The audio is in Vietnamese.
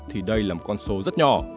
thì đây là một con số rất nhỏ